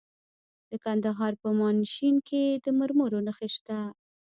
د کندهار په میانشین کې د مرمرو نښې شته.